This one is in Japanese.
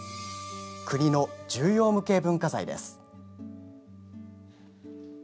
国の重要無形文化財です。